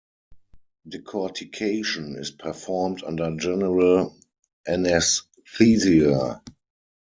Decortication is performed under general anaesthesia.